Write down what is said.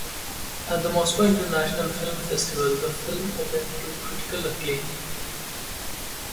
At the Moscow International Film Festival the film opened to critical acclaim.